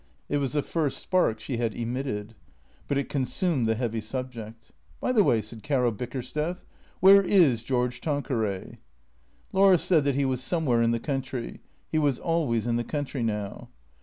It was the first spark she had emitted. But it consumed the heavy subject. " By the way," said Caro Bickersteth, " where is George Tan queray ?" Laura said that he was somewhere in the country. He was always in the country now.